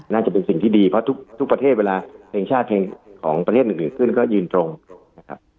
น่าจะเป็นสิ่งที่ดีเพราะทุกประเทศเวลาเพลงชาติเพลงของประเทศอื่นขึ้นก็ยืนตรงนะครับ